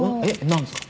何ですか？